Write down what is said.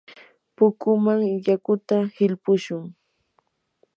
pukuman yakuta hilpushun.